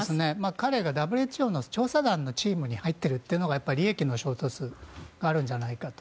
彼がＷＨＯの調査団のチームに入っているというのが利益の衝突があるんじゃないかと。